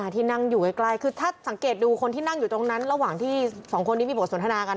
ที่นั่งอยู่ใกล้คือถ้าสังเกตดูคนที่นั่งอยู่ตรงนั้นระหว่างที่สองคนนี้มีบทสนทนากัน